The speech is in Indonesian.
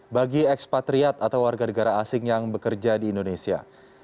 bagi ekspatriat atau warga negara asing yang bekerja di indonesia